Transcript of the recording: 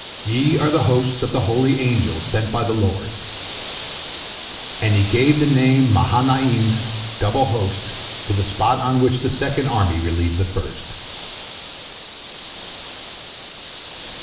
Ye are the hosts of the holy angels sent by the Lord." And he gave the name Mahanaim, Double Host, to the spot on which the second army relieved the first.